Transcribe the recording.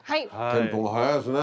テンポが速いですね。